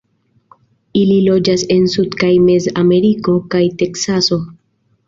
Ili loĝas en Sud- kaj Mez-Ameriko kaj Teksaso.